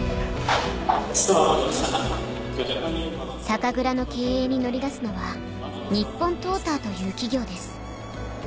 酒蔵の経営に乗り出すのは日本トーターという企業です